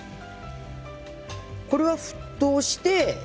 これは沸騰して？